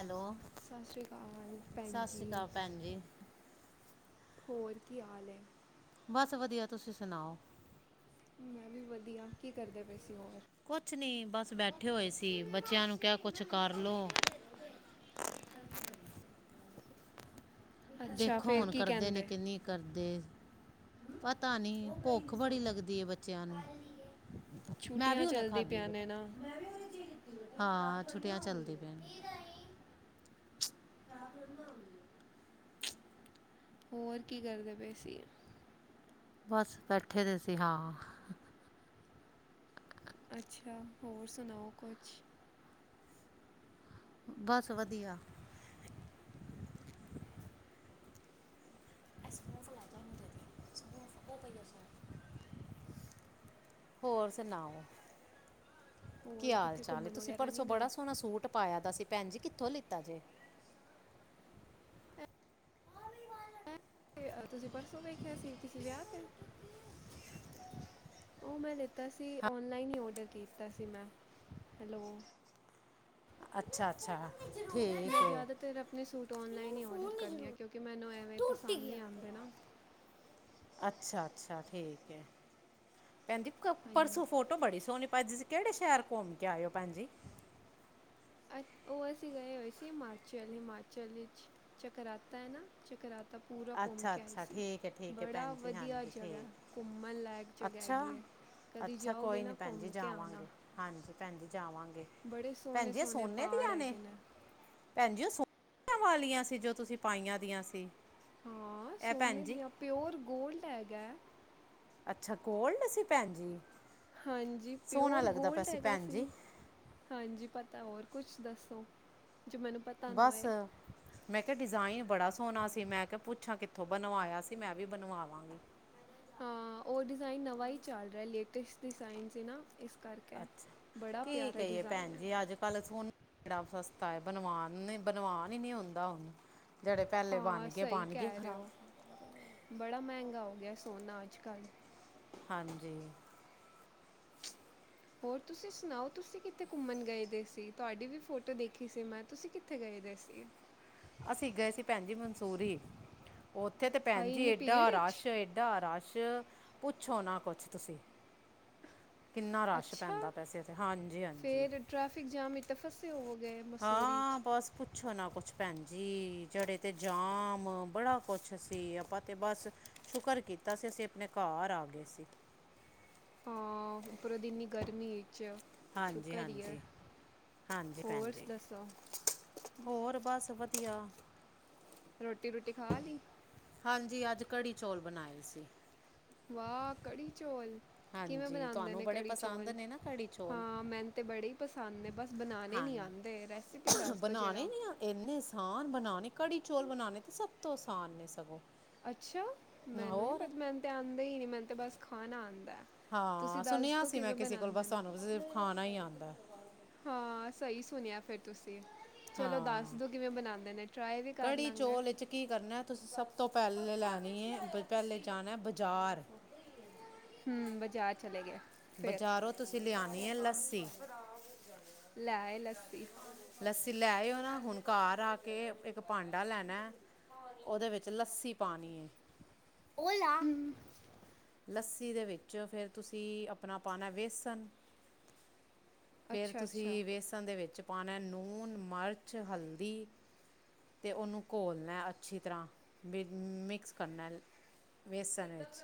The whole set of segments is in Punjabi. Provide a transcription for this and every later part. ਹੈਲੋ ਸਤਿ ਸ੍ਰੀ ਅਕਾਲ ਪੈਣਜੀ, ਸਤਿ ਸ਼੍ਰੀ ਸ੍ਰੀ ਅਕਾਲ ਆਕਾਲ ਭੈਣ ਪੈਣਜੀ- ਜੀ। ਹੋਰ ਕੀ ਹਾਲ ਏ? ਬਸ ਵਧੀਆ ਤੁਸੀਂ ਸੁਣਾਓ। ਮੈਂ ਵੀ ਵਧੀਆ ਕੀ ਕਰਦਾ ਪੇ ਕੁਛ ਨੀ ਬਸ ਬੈਠੇ ਹੋਏ ਸੀ। ਬੱਚਿਆਂ ਨੂੰ ਕਿਹਾ ਕੁਛ ਕਰਲੋ ਅੱਛਾ ਦੇਖੋ ਫਿਰ ਹੁਣ ਕੀ ਕਰਦੇ ਨੇ ਕਹਿੰਦੇ ਕਿੰਨੀ ਕਰਦੇ। [unintelligible] ਤਾਂ ਨਹੀਂ ਭੁੱਖ ਬੜੀ ਲੱਗਦੀ ਹੈ, ਬੱਚਿਆਂ ਨੂੰ ਮੈਂ ਵੀ ਛੁੱਟੀਆਂ ਹੁਨੇ ਚੱਲਦੀ ਖਾਧੀ ਪਿਆ ਬੇਟਾ, ਨੇ ਨਾ ਹਾਂ ਛੁੱਟੀਆਂ ਚੱਲਦੀ ਪੈਣ [unintelligible] ਹੋਰ ਕੀ ਕਰਦੇ ਪਏ ਸੀ? ਬਸ ਬੈਠੇ ਦੇ ਸੀ ਹਾਂ। ਅੱਛਾ ਹੋਰ ਸੁਣਾਓ ਕੁਛ ਬਸ ਵਧੀਆ। ਹੋਰ ਸੁਣਾਓ। ਕੀ ਹੋਰ ਹਾਲ ਕਿੱਥੇ ਚਾਲ ਘੁੰਮਣ ਤੁਸੀਂ ਵਗੈਰਾ ਪਰਸੋਂ ਨਹੀਂ ਗਏ ਬੜਾ ਸੋਹਣਾ ਸੂਟ ਪਾਇਆ ਦਾ ਸੀ। ਪੈਣ ਜੀ ਕਿ ਕਿੱਥੋਂ ਲਿੱਤਾ ਜੇ। ਤੁਸੀਂ ਪਰਸੋਂ ਵੇਖਿਆ ਸੀ ਕਿਸੇ ਵਿਆਹ ਤੇ, ਉਹ ਮੈਂ ਲਿੱਤਾ ਸੀ ਆਨਲਾਈਨ ਹੀ ਔਡਰ ਕੀਤਾ ਸੀ ਮੈੰ, ਹੈਲੋ ਅੱਛਾ-ਅੱਛਾ। ਮੈਂ ਜ਼ਿਆਦਾਤਰ ਆਪਣੇ ਸੂਟ ਆਨਲਾਈਨ ਹੀ ਔਡਰ ਕਰਨੀ ਆ, ਕਿਉਂਕਿ ਮੈਨੂੰ ਐਵੇਂ ਪਸੰਦ ਨਹੀਂ ਆਉਂਦੇ ਨਾ ਅੱਛਾ-ਅੱਛਾ ਠੀਕ ਹੈ। ਕਹਿੰਦੀ ਹਾਂਜੀ ਪਰਸੋਂ ਫੋਟੋ ਬੜੀ ਸੋਹਣੀ ਭਾ ਤੁਸੀ ਕਿਹੜੇ ਸ਼ਹਿਰ ਘੁੰਮ ਕੇ ਆਇਓ ਪੈਣਜੀ। ਅ ਉਹ ਅਸੀਂ ਗਏ ਹੋਏ ਸੀ ਹਿਮਾਚਲ-ਹਿਮਾਚਲ ਵਿੱਚ ਚਕਰਾਤਾ ਹੈ, ਨਾ ਚਕਰਾ ਅੱਛਾ-ਅੱਛਾ। ਠੀਕ ਹੈ-ਠੀਕ ਹੈ, ਬੜਾ ਭੈਣ ਜੀ। ਵਧੀਆ ਹਾਂਜੀ, ਜਗ੍ਹਾ ਠੀਕ। ਹੈ, ਘੁੰਮਣ ਲਾਇਕ ਜਗ੍ਹਾ ਅੱਛਾ? ਹੈਗੀ ਹੈ ਕਦੀ ਅੱਛਾ, ਜਾਓਗੇ ਕੋਈ ਨੀ ਨਾ ਭੈਣ ਜੀ, ਘੁੰਮ ਕੇ ਆਣਾ ਜਾਵਾਂਗੇ। ਹਾਂਜੀ, ਭੈਣ ਜੀ ਜਾਵਾਂਗੇ। ਬੜੇ ਸੋਹਣੇ ਭੈਣਜੀ, ਏਹ ਸੋਹਣੇ ਸੋਨੇ ਦੀ ਪਹਾੜ ਆਣੇ? ਹੈਗੇ ਨੇ ਭੈਣ ਜੀ ਉਹ ਸੋ ਏ ਵਾਲੀਆਂ ਸੀ ਜੋ ਤੁਸੀਂ ਪਾਈਆਂ ਦੀਆਂ ਸੀ? ਹਾਂਆੰ, ਇਹ ਭੈਣ ਸੋਨੇ ਜੀ ਦੀਆਂ। ਪਿਓਰ ਗੋਲਡ ਹੈ। ਗੈ ਅੱਛਾ, ਕੋਲ ਨਹੀਂ ਸੀ, ਭੈਣ ਜੀ? ਹਾਂਜੀ, ਸੋਹਣਾ ਪਿਓਰ ਲੱਗਦਾ ਪਿਆ ਗੋਲਡ ਹੈਗਾ ਭੈਣ ਸੀ। ਜੀ ਹਾਂਜੀ, ਪਤਾ ਹੋਰ ਕੁਛ ਦੱਸੋ? ਜੋ ਮੈਨੂੰ ਪਤਾ ਨਾ ਬਸ ਹੋਏ ਮੈਂ ਕਿਆ ਡਿਜ਼ਾਇਨ ਬੜਾ ਸੋਹਣਾ ਸੀ, ਮੈਂ ਕਿਆ ਪੁੱਛਾਂ ਕਿੱਥੋਂ ਬਣਵਾਇਆ ਸੀ ਮੈਂ ਵੀ ਬਣਵਾਵਾਂਗੀ। ਹਾਂ, ਔ ਡਿਜ਼ਾਇਨ ਨਵਾਂ ਈ ਚੱਲ ਰਿਐ, ਲੇਟਸਟ ਡਿਜ਼ਾਇਨ ਸੀ ਨਾ ਏਸ ਅੱਛਾ, ਕੀ ਕਈਏ ਹੈ ਪੈੰਣਜੀ ਅੱਜ ਕੱਲ ਸੋਣ ਕੇੜਾ ਸਸਤਾ ਏ, ਬਣਵਾਨ ਨੀ ਬਣਵਾਨ ਹੀ ਨੀ ਹੁੰਂਦਾ ਹੁਣ। ਜਿਹੜੇ ਪਹਿਲੇ ਬਣ ਹਾਂ, ਗਏ ਸਹੀ ਬਣ ਗਏ ਕੈ ਰੇ ਔ‌, ਖਰਾਬ ਬੜਾ ਮੈੰਗਾ ਹੋ ਗਿਐ ਸੋਣਾ ਅੱਜ ਕੱਲ੍ਹ। ਜੀ। ਹੋਰ ਤੁਸੀਂ ਸੁਣਾਓ? ਤੁਸੀਂ ਕਿੱਥੇ ਘੁੰਮਣ ਗਏ ਦੇ ਸੀ? ਤੁਹਾਡੀ ਵੀ ਫੋਟੋ ਦੇਖੀ ਸੀ ਮੈਂ, ਤੁਸੀਂ ਕਿੱਥੇ ਗਏ ਦੇ ਸੀ? ਅਸੀਂ ਗਏ ਸੀ ਪੈੰਣਜੀ ਮਨਸੂਰੀ। ਔਥੇ ਤੇ ਹਾਈ ਪੈੰਣਜੀ ਇੰਨੀ ਏਡਾ ਭੀੜ ਵਿੱਚ ਰਾਸ਼ ਏਡਾ ਰਾਸ਼‌। ਯ ਪੁੱਛੋ ਨਾ ਕੋਛ ਤੁਸੀਂ। ਕਿੰਨਾ ਰਸ਼ ਅੱਛਾ! ਪੈਂਦਾ ਪਿਆ ਸੀ ਇੱਥੇ ਹਾਂਜੀ ਹਾਂਜੀ ਫੇਰ ਟ੍ਰੈਫਿਕ ਜਾਮ ਇਚ ਤਾਂ ਫਸੇ ਹੋਵੋ ਹਾਂ, ਬੱਸ ਪੁੱਛੋ ਨਾ ਕੋਛ ਪੈੰਣਜੀ ਜੜੇ ਤੇ ਜਾਮ ਬੜਾ ਕੋਛ ਸੀ, ਅਪਾਂ ਤੇ ਬਸ ਸ਼ੁਕਰ ਕੀਤਾ ਸੀ ਅਸੀਂ ਅਪਣੇ ਘੱਰ ਆ ਗੇ ਸੀ। ਹਾਂ, ਉੱਪਰੋ ਦੀ ਇਨੀ ਗਰਮੀ ਹਾਂਜੀ ਸ਼ੁਕਰ ਹੀ ਹੈ ਹਾਂਜੀ, ਹਾਂਜੀ ਹੋਰ ਪੈੰਣਜੀ। ਦੱਸੋ ਹੋਰ ਬਸ ਵਧ ਕਿਯਾ? ਰੋਟੀ ਰੂਟੀ ਖਾ ਲੀ? ਹਾਂਜੀ ਅੱਜ ਕੜੀ ਚੌਲ ਬਣਾਏ ਸੀ। ਚੋਲ। ਕਿਵੇਂ ਹਾਂਜੀ ਬਣਾਂਦੇ ਤੁਹਾਨੂੰ ਨੇ ਬੜੇ ਕੜੀ ਪਸੰਦ ਚੌਲ? ਨੇ ਨਾ ਕੜੀ ਹਾਂ, ਮੈਨ ਤੇ ਬੜੇ ਈ ਪਸੰ [unintelligible] ਹਾਂਜ, ਦਿਉ ਬਣਾਣੇ ਜਰਾ ਨੀ ਆ ਏਨੇ ਸਾਨ ਬਣਾਣ ਕੜੀ ਚੋਲ ਬਣਾਣੇ ਤੇ ਸਭ ਤੋਂ ਅਸਾਨ ਨੇ ਸਗੋਂ। ਅੱਛਾ ਮੈਨੂੰ ਨੀ ਹੋਰ ਪਤ ਮੈਨੂੰ ਤੇ ਆੰਦੇ ਈ ਨੀ ਮੈਨ ਤੇ ਬਸ ਖਾਣਾ ਆੰਦੈ। ਹਾਂ, ਸੁਣਿਆ ਸੀ ਮੈਂ ਕਿਸੇ ਕੋਲ ਬਸ ਨੇ ਤੁਹਾਨੂੰ ਤ ਸਿਫ ਖਾਣਾ ਈ ਆੰਦੈ। ਹਾਂ ਸਹੀ ਸੁਣਿਐ ਫੇਰ ਤੁਸ ਹਾਂ, ਨੇ ਟਰਾਈ ਵੀ ਕਰ ਕੜੀ ਲਾਂਗੇ ਚੌਲ ਏਚ ਕੀ ਕਰਣੈ ਤੁਸੀਂ ਸਭ ਤੋਂ ਪੈਲੇ ਲੈਣੀ ਏ, ਬਈ ਪੈਲੇ ਜਾਣੈ ਬਜ਼ਾਰ। ਹੂੰ, ਬਜ਼ਾਰ ਚਲੇ ਗੇ। ਬਜ਼ਾਰੋਂ ਤੁਸੀਂ ਲਿਆਣੀ ਏ ਲਸ [unintelligible] ਲੈਏ ਲੱਸੀ। ਤੇ ਲੈਓ ਨਾ ਹੁਣ ਘਰ ਆ ਕੇ ਇੱਕ ਭਾਂਡਾ ਲੈਣਾ ਉਹਦੇ ਵਿੱਚ ਲੱਸੀ ਪਾਣੀ ਹੈ [inaudible] ਲੱਸੀ ਦੇ ਵਿੱਚ ਫਿਰ ਤੁਸੀਂ ਆਪਣਾ ਪਾਉਣਾ ਬੇਸਣ ਫੇਰ ਅੱਛਾ ਅੱਛਾ ਤੁਸੀਂ ਵੇਸਣ ਦੇ ਵਿੱਚ ਪਾਣਾ ਲੂਣ ਮਿਰਚ ਹਲਦੀ ਅਤੇ ਉਹਨੂੰ ਘੋਲਣਾ ਅੱਛੀ ਤਰ੍ਹਾਂ ਮਿਕਸ ਕਰਨਾ ਬੇਸਣ ਵਿੱਚ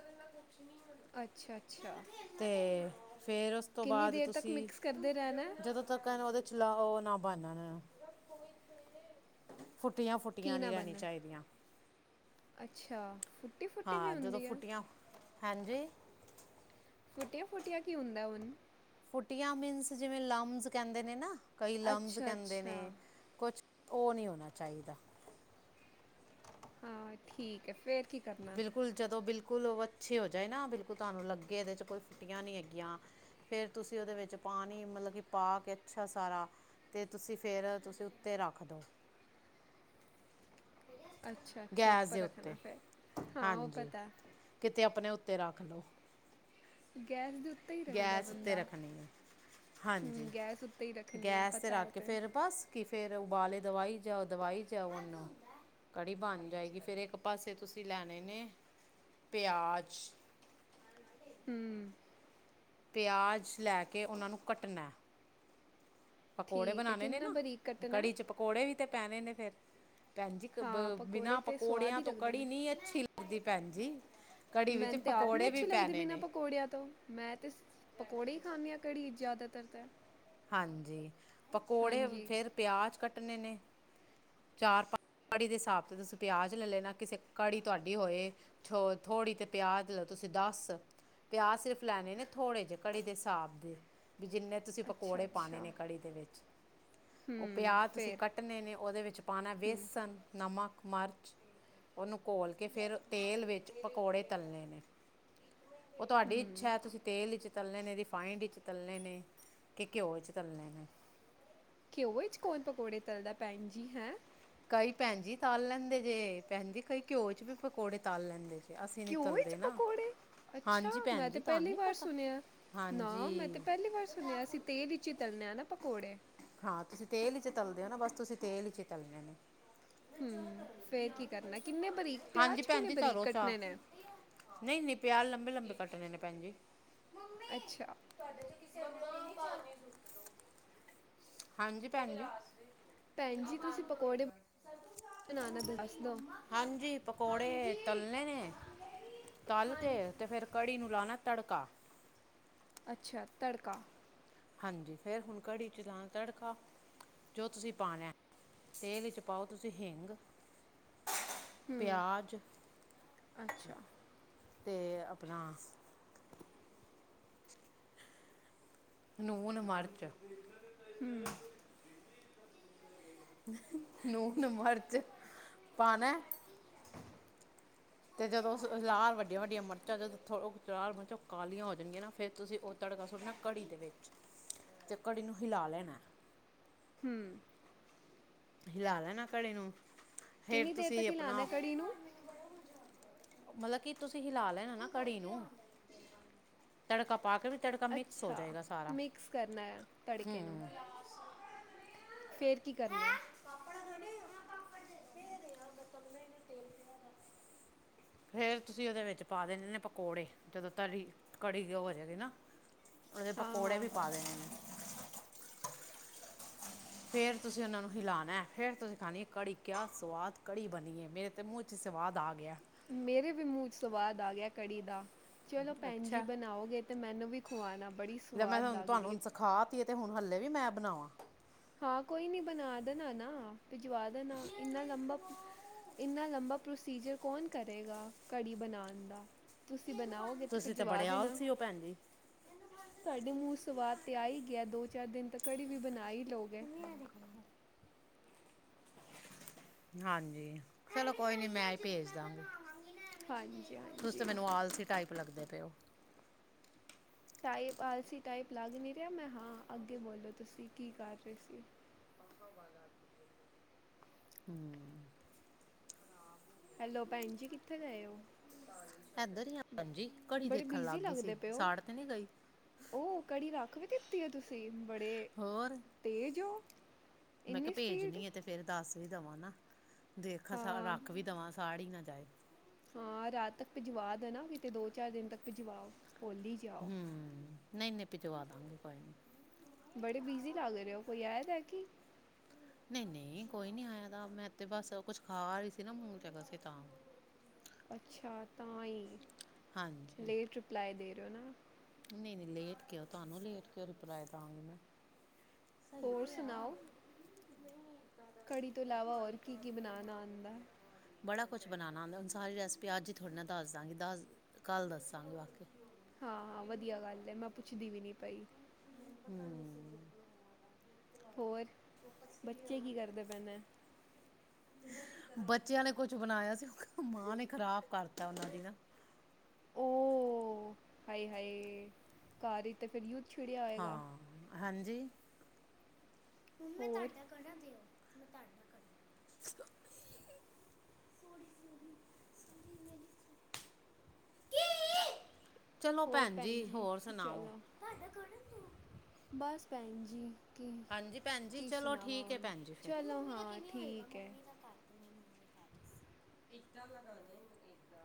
ਅੱਛਾ ਅੱਛਾ ਤੇ ਫੇਰ ਉਸ ਤੋਂ ਕਿੰਨੀ ਬਾਅਦ ਦੇਰ ਤੱਕ ਤੁਸੀਂ ਮਿਕਸ ਕਰਦੇ ਰਹਿਣਾ ਹੈ ਜਦੋਂ ਤਕਣ ਉਦੇ ਚਲਾ ਉਹ ਨਾ ਬਣਨਾ ਨਾ ਫੁੱਟੀਆਂ ਕੀ ਫੁੱਟੀਆਂ ਨਾ ਨੀ ਰਹਿੀਆਂ ਬਣਨਾ ਚਾਹੀਦੀਆਂ ਅੱਛਾ ਫੁੱਟੀ ਫੁੱਟੀ ਵੀ ਹਾਂ ਜਦੋਂ ਹੁੰਦੀ ਆ ਫੁੱਟੀਆਂ ਹਾਂਜੀ ਫੁੱਟੀਆਂ-ਫੁੱਟਿਆ ਕੀ ਹੁੰਦਾ ਹੁਣ ਫੁਟੀਆਂ ਮੀਨਸ ਜਿਵੇਂ ਲਮਜ਼ ਕਹਿੰਦੇ ਨੇ ਨਾ ਕਈ ਲਮਸ ਅੱਛਾ ਕਹਿੰਦੇ ਅੱਛਾ ਨੇ ਕੁਛ ਉਹ ਨਹੀਂ ਹੋਣਾ ਚਾਹੀਦਾ ਹਾਂ ਠੀਕ ਹੈ ਫੇਰ ਕੀ ਕਰਨਾ ਬਿਲਕੁਲ ਜਦੋਂ ਬਿਲਕੁਲ ਬਿਲਕੁਲ ਉਹ ਅੱਛੇ ਹੋ ਜਾਏ ਨਾ ਬਿਲਕੁਲ ਤੁਹਾਨੂੰ ਲੱਗੇ ਇਹਦੇ ਚ ਕੋਈ ਫੁੱਟੀਆਂ ਨੀ ਹੈਗੀਆਂ ਫੇਰ ਤੁਸੀਂ ਉਹਦੇ ਵਿੱਚ ਪਾਣੀ ਮਤਲਬ ਕਿ ਪਾ ਕੇ ਅੱਛਾ ਸਾਰਾ ਤੇ ਤੁਸੀਂ ਫੇਰ ਤੁਸੀਂ ਉੱਤੇ ਰੱਖ ਦੋ ਅੱਛਾ ਅੱਛਾ ਗੈਸ ਉੱਪਰ ਦੇ ਰੱਖਣਾ ਉੱਤੇ ਫਿਰ ਹਾਂ ਉਹ ਹਾਂਜੀ ਪਤਾ ਕਿਤੇ ਆਪਣੇ ਉੱਤੇ ਰੱਖ ਲੋ ਗੈਸ ਦੇ ਉੱਤੇ ਹੀ ਰੱਖਦਾ ਗੈਸ ਉੱਤੇ ਬੰਦਾ ਰੱਖਣੀ ਹੈ ਹਾਂਜੀ ਹੂੰ ਗੈਸ ਉੱਤੇ ਹੀ ਰੱਖਣੀ ਹੈ ਗੈਸ ਤੇ ਪਤਾ ਹੈ ਰੱਖ ਕੇ ਫੇਿਰ ਬਸ ਕੀ ਫੇਿਰ ਉਬਾਲੇ ਦਵਾਈ ਜਾ ਦਵਾਈ ਜਾ ਕੜੀ ਬਣ ਜਾਏਗੀ ਫਿਰ ਇੱਕ ਪਾਸੇ ਤੁਸੀਂ ਲੈਣੇ ਨੇ ਪਿਆਜ਼ ਹਮ ਪਿਆਜ਼ ਲੈ ਕੇ ਉਹਨਾਂ ਨੂੰ ਕੱਟਣਾ ਪਕੌੜੇ ਠੀਕ ਹੈ ਬਣਾਉਣੇ ਨੇ ਕਿੰਨਾ ਨਾ ਬਰੀਕ ਕੱਟਣਾ ਹੈ? ਕੜੀ ਚ ਪਕੌੜੇ ਵੀ ਤੇ ਪੈਣੇ ਨੇ ਫੇਿਰ ਭੈਣ ਜੀ ਕ ਬ ਹਾਂ ਪਕੌੜੇ ਬਿਨਾਂ ਤੇ ਸਵਾਦ ਪਕੌੜਿਆਂ ਹੀ ਤੋਂ ਲੱਗਦੇ ਕੜੀ ਨੇ ਨਹੀਂੀ ਅੱਛੀ ਲੱਗਦੀ ਭੈਣ ਜੀ ਕੜੀ ਵਿੱਚ ਮੈਨੂੰ ਤੇ ਆਪ ਨੀ ਪਕੌੜੇ ਵੀ ਅੱਛੀ ਲੱਗਦੀ ਪੈਣੇ ਬਿਨਾਂ ਨੇ ਪਕੌੜਿਆਂ ਤੋਂ ਮੈਂ ਤੇ ਪਕੌੜੇ ਹੀ ਖਾਂਦੀ ਹਾਂ ਘੜੀ ਜ਼ਿਆਦਾ ਉਤਰਰ ਤਾਂ ਹਾਂਜੀ ਪਕੌੜੇ ਹਾਂਜੀ ਫੇਰ ਪਿਆਜ ਕੱਟਣੇ ਨੇ ਚਾਰ ਪੰਜ ਘੜੀ ਦੇ ਹਿਸਾਬ ਤੇ ਤੁਸੀਂ ਪਿਆਜ ਲੈ ਲੈਣਾ ਕਿਸੇ ਘੜੀ ਤੁਹਾਡੀ ਹੋਏ ੋ ਥੋੜ੍ਹੀ ਤੇ ਪਿਆਜ ਲ ਤੁਸੀਂ ਦੱਸ ਪਿਆਜ਼ ਸਿਰਫ ਲੈਣੇ ਨੇ ਥੋੜੇ ਜਿਹੇ ਘੜੀ ਦੇ ਹਿਸਾਬ ਦੇ ਵੀ ਜਿੰਨੇ ਤੁਸੀਂ ਅੱਛਾ ਪਕੌੜੇ ਪਾਉਣੇ ਅੱਛਾ ਨੇ ਕੜੀ ਦੇ ਵਿੱਚ ਉਹ ਹੂੰ, ਪਿਆਜ਼ ਤੁਸੀਂ ਫੇਰ ਕੱਟਣੇ ਨੇ ਉਹਦੇ ਵਿੱਚ ਪਾਉਣਾ ਹੂੰ, ਬੇਸਣ ਨਮਕ ਮਿਰਚ ਉਹਨੂੰ ਘੋਲ ਕੇ ਫਿਰ ਤੇਲ ਵਿੱਚ ਪਕੌੜੇ ਤਲਣੇ ਨੇ- ਉਹ ਤੁਹਾਡੀ ਹੂੰ, ਇੱਛਾ ਹੈ ਤੁਸੀਂ ਤੇਲ ਵਿਚ ਤਲਣੇ ਨੇ ਰਿਫਾਈੰਡ ਵਿੱਚ ਤੱਲਣੇ ਨੇ। ਕੀ ਘਿਓ 'ਚ ਤੱਲਣੇ ਨੇ ਘਿਓ ਚ ਕੌਣ ਪਕੌੜੇ ਤਲਦਾ ਭੈਣ ਜੀ ਹੈਂ। ਬਾਈ ਭੈਣ ਜੀ ਤਾਲ ਲੈਂਦਾ ਦੇ ਦੇ, ਕਈ ਭੈਣਜੀ ਕਈ ਘਿਓ'ਚ ਪਕੌੜੇ ਤਾਲ ਲੈਂਦੇ ਨੇ। ਘਿਓ ਵਿਚ ਪਕੌੜੇ ਅੱਛਾ ਹਾਂਜੀ ਮੈਂ ਭੈਣ ਤੇ ਜੀ ਤੁਹਾਨੂੰ ਪਹਿਲੀ ਨੀ ਵਾਰ ਪਤਾ ਸੁਣਿਆ ਨਾ ਹਾਂਜੀ ਮੈਂ ਤੇ ਪਹਿਲੀ ਵਾਰ ਸੁਣਿਆ ਅਸੀਂ ਤੇਲ ਵਿਚ ਹੀ ਤਲਨੇ ਆ ਨਾ ਪਕੌੜੇ। ਹਾਂ ਤੁਸੀਂ ਤੇਲ ਚ ਤਲਦੇ ਹੋ ਨਾ ਬਸ ਤੁਸੀਂ ਤੇਲ ਚ ਹੀ ਤਲਣੇ ਨੇ। ਹੂੰ ਫੇਰ ਕੀ ਕਰਨਾ ਕਿੰਨੇ ਬਰੀਕ ਹਾਂਜੀ ਪਿਆਜ ਭੈਣ ਕਿੰਨੇ ਜੀ ਬਰੀਕ ਕੱਟਣੇ ਨੇ ਪਿਆਰ ਲੰਬੇ- ਲੰਬੇ ਕੱਟਣੇ ਨੇ ਭੈਣ ਜੀ। ਤੁਸੀ ਵੀ ਇਸ ਗੱਲ ਨੂੰ ਸਹੀ ਢੰਗ ਨਾਲ ਹੀ ਜੇਕਰ ਤੁਹਾਡੇ ਵਰਗੇ ਹਨ। ਅੱਛਾ। [unintelligible] ਹਾਂਜੀ ਭੈਣ ਜੀ। ਭੈਣ ਜੀ ਤੁਸੀਂ ਪਕੌੜੇ ਬਣਾਣਾ ਦੱਸ ਦੋ। ਹਾਂਜੀ ਪਕੌੜੇ ਤਲਣੇ ਨੇ ਤਲ ਕੇ ਤੇ ਫੇਰ ਕੜੀ ਨੂੰ ਲਾਣਾ ਤੜਕਾ ਅੱਛਾ ਤੜਕਾ ਹਾਂਜੀ ਫੇਰ ਹੁਣ ਕੜੀ ਚ ਲਾਣਾ ਤੜਕਾ ਜੋ ਤੁਸੀਂ ਪਾਣਾ ਤੇਲ ਵਿੱਚ ਪਾਓ ਤੁਸੀਂ ਹਿੰਗ ਹੂੰ, ਪਿਆਜ਼ ਅੱਛਾ, ਤੇ ਆਪਣਾ ਆਪ ਨੂਣ, ਮਰਚ ਮਸਾਲਾ ਲਾ ਕੇ ਮੈਨੂੰ ਵੀ ਦਿਓ। ਹੂੰ। ਲੂਣ ਮਿਰਚ ਪਾਣਾ ਐ। ਅਤੇ, ਜਦੋਂ ਹਾਲ ਵੱਡੀਆਂ-ਵੱਡੀਆਂ ਮਿਰਚਾਂ ਜਦੋਂ ਥੋ'ਚ ਮਿਰਚਾਂ ਕਾਲੀਆਂ ਹੋ ਜਾਣਗੀਆਂ ਨਾ, ਫਿਰ ਤੁਸੀਂ ਉਹ ਤੜਕਾ ਸੁੱਟਣਾ ਕੜੀ ਦੇ ਵਿੱਚ ਅਤੇ, ਕੜੀ ਨੂੰ ਹਿਲਾ ਲੈਣਾ। ਹੂੰ ਹਿਲਾ ਲੈਣਾ ਕੜੀ ਨੂੰ ਫਿਰ ਕਿੰਨੀ ਦੇਰ ਤੱਕ ਤੁਸੀਂ ਆਪਣਾ ਹੀਲਾਉਨਾ ਕੜੀ ਨੂੰ? ਮਤਲਬ ਕੀ ਤੁਸੀਂ ਹਿਲਾ ਲੈਣਾ ਨਾ ਕੜੀ ਨੂੰ ਤੜਕਾ ਪਾ ਕੇ ਵੀ ਤੜਕਾ ਮਿਕਸ ਹੋ ਅੱਛਾ ਜਾਏਗਾ ਸਾਰਾ ਮਿਕਸ ਕਰਨਾ ਆ ਤੜਕੇ ਨੂੰ ਹੂੰ ਫਿਰ ਕੀ ਕਰਨਾ ਐ। ਫੇਰ ਤੁਸੀਂ ਉਹਦੇ ਵਿੱਚ ਪਾ ਦੇਿੰਣੇ ਨੇ ਪਕੌੜੇ ਜਦੋਂ ਤਰੀ ਕੜੀ ਹੋ ਜਾਏਗੀ ਨਾ। ਉਹਦੇ ਹਾਂ ਪਕੌੜੇ ਹਾਂ ਵੀ ਪਾ ਦੇ ਨੇ ਫੇਰ ਤੁਸੀਂ ਉਹਨਾਂ ਨੂੰ ਹਿਲਾਉਣਾ ਫੇਰ ਤੁਸੀਂ ਖਾਣੀ ਹੈ ਕੜੀ ਕਿਆ ਸਵਾਦ ਕੜੀ ਬਣੀਏ ਮੇਰੇ ਤੇ ਮੂੰਹ ਚ ਸਵਾਦ ਆ ਗਿਆ। ਮੇਰੇ ਵੀ ਮੂੰਹ ਚ ਸਵਾਦ ਆ ਗਿਆ ਕੜੀ ਦਾ ਚਲੋ ਭੈਣ ਜੀ ਅੱਛਾ ਬਣਾਓਗੇ ਤੇ ਮੈਨੂੰ ਵੀ ਖਵਾਣਾ ਬੜੀ ਸਵਾਦ ਲੱਗ ਰਹੀ ਹੈ। ਹਾਲੇ ਵੀ ਮੈਂ ਬਣਾਵਾਂ ਕਢੀ ਤੇ ਚਾਵਲ। ਹਾਂ, ਕੋਈ ਨੀ ਬਣਾ ਦੇਣਾ ਨਾ ਭਿਜਵਾ ਦੇਣਾ, ਇੰਨਾ ਲੰਬਾ ਇਨਾ ਲੰਬਾ ਪ੍ਰੋਸੀਜਰ ਕੌਣ ਕਰੇਗਾ ਘੜੀ ਬਣਾਉਣ ਦਾ ਤੁਸੀਂ ਬਣਾਓਗੇ ਤੇ ਤੁਸੀਂ ਭਜਵਾ ਬੜੇ ਦੇਣਾ ਆਲਸੀ ਹੋ ਭੈਣ ਜੀ ਤੁਹਾਡੇ ਮੂੰਹ ਸਵਾਦ ਤੇ ਆਈ ਦੋ ਚਾਰ ਦਿਨ ਤਾਂ ਕੜੀ ਵੀ ਬਣਾਈ [inaudible] ਹਾਂਜੀ ਚਲੋ ਕੋਈ ਨੀ ਮੈਂ ਭੇਜ ਦਾਂਗੀ‌। ਹਾਂਜੀ ਤੁਸੀ ਤੇ ਹਾਂਜੀ ਮੈਨੂੰ ਆਲਸੀ ਟਾਈਪ ਲੱਗਦੇ ਪਏ ਹੋ ਟਾਈਪ ਆਲਸੀ ਟਾਈਪ ਲੱਗ ਨਹੀਂ ਰਿਹਾ ਮੈਂ ਹਾਂ ਅੱਗੇ ਬੋਲੋ ਤੁਸੀਂ ਕੀ ਕਰ ਰਹੇ ਸੀ [inaudible] [inaudible] ਹੈਲੋ ਭੈਣ ਜੀ ਕਿੱਥੇ ਗਏ ਹੋ ਏਧਰ ਹੀ ਆ ਜੀ ਕੜੀ ਬੜੇ ਦੇਖਣ ਲੱਗ ਬਿਜ਼ੀ ਗਈ ਸੀ ਲੱਗਦੇ ਪਏ ਹੋ ਸਾੜ ਤੇ ਨੀ ਗਈ ਕੀਤੀ ਹੈ ਤੁਸੀਂ ਬੜੇ ਹੋਰ ਤੇਜ਼ ਹੋ ਮੈਂ ਕਿਹਾ ਇੰਨੀ ਸਪੀਡ ਭੇਜਣੀ ਆ ਤੇ ਫੇਰ ਦੱਸ ਵੀ ਦੇਵਾਂ ਨਾ ਦੇਖ ਹਾਂ ਰੱਖ ਵੀ ਦਵਾਂ ਸਾੜੀ ਨਾ ਚਾਇ [inaudible] ਹਾਂ ਰਾਤ ਤੱਕ ਭਿਜਵਾ ਦੇਣਾ ਕਿਤੇ ਦੋ ਚਾਰ ਦਿਨ ਤੱਕ ਭਿਜਵਾਓ ਖੋਲੀ ਜਾਓ ਹੂੰ ਨਹੀਂ ਨਹੀਂ ਭਿਜਵਾ ਦਾਂਗੇ ਕੋਈ ਨਹੀਂ ਬੜੇ ਬਿਜ਼ੀ ਲਾ ਰਹੇ ਹੋ ਕੋਈ ਆਏ [inaudible] ਨਹੀਂ ਨਹੀਂ ਕੋਈ ਨੀ ਆਇਆ ਤ ਮੈਂ ਤੇ ਬਸ ਕੁਛ ਖਾ ਰਹੀ ਸੀ ਨਾ ਮੂ ਚ ਹੈਗਾ ਸੀ ਤਾਂ ਅੱਛਾ ਤਾਂ ਹੀ ਹਾਂਜੀ ਲੇਟ ਰਿਪਲਾਈ ਦੇ [inaudible] ਨਹੀਂ ਨਹੀਂ ਲੇਟ ਕਿਉਂ ਤੁਹਾਨੂੰ ਲੇਟ ਕਿਉ ਰਿਪਲਾਏ ਦਵਗੇ ਮੈਂ ਸਹੀ ਹੋਰ ਤੇ ਆ ਸੁਣਾਓ ਕੜੀ ਤੋਂ ਇਲਾਵਾ ਹੋਰ ਕੀ ਕੀ ਬਣਾਣਾ ਆਉਂਦਾ ਬੜਾ ਕੁਛ ਬਣਾਉਣਾ ਹੁੰਦਾ ਹੁਣ ਸਾਰੀ ਰੈਸਿਪੀ ਅੱਜ ਹੀ ਤੁਹਾੜਡੇ ਨਾਲ ਦੱਸ ਦਾਂਗੇ ਦੱਸ ਕੱਲ ਦੱਸਾਂਗੇ ਵਾਕਿ ਹਾਂ ਹਾਂ ਵਧੀਆ ਗੱਲ ਹੈ ਮੈਂ ਪੁੱਛਦੀ ਵੀ ਨੀ ਪਈ ਹਮ। ਹੋਰ ਬੱਚੇ ਕੀ ਕਰਦੇ ਪਏ ਨੇ ਬੱਚਿਆਂ ਨੇ ਕੁਛ ਬਣਾਇਆ ਸੀ ਮਾਂ ਨੇ ਖ਼ਰਾਬ ਕਰਤਾ ਉਹਨਾਂ ਦੀ ਨਾ ਓਹਹਾਏ ਹਾਏ ਕਾਰ ਹੀ ਤੇ ਫਿਰ ਛਿੜਿਆ ਹੋਏਗਾ ਹਾਂ ਹਾਂਜੀ, ਮੰਮਾ ਹੋਰ ਤੁਹਾਡਾ ਕੜਾ ਦਿਓ [inaudible] ਚਲੋ ਭੈਣ ਜੀ ਹੋਰ ਸੁਣਾਓ ਭੈਣਜੀ ਹਾਂਜੀ ਭੈਣ ਜੀ ਚਲੋ ਠੀਕ ਆ ਭੇਣ ਜੀ ਫੇਰ ਚਲੋ ਹਾਂ ਠੀਕ ਹੈ ਏਦਾਂ ਲਗਾਉਣਾ ਏਦਾਂ